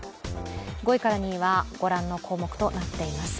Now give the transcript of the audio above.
５位から２位はご覧の項目となっています。